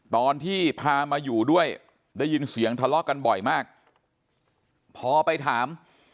ตอนที่พามาอยู่ด้วยได้ยินเสียงทะเลาะกันบ่อยมากพอไปถาม